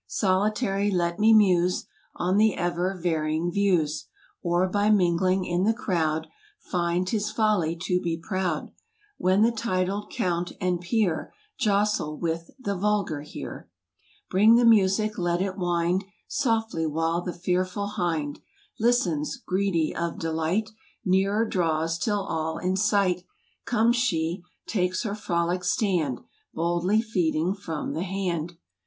Solitary let me muse On the ever varying views; Or by mingling in the crowd Find 'tis folly to be proud, When the titled Count, and Peer, Jostle with the vulgar here. r AUSTRIA. 65 Bring the music, let it wind Softly while the fearful hind Listens, greedy of delight, Nearer draws, till all in sight Comes she, takes her frolic stand,, Boldly feeding from the hand.